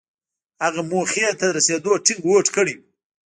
هغه موخې ته د رسېدو ټينګ هوډ کړی و.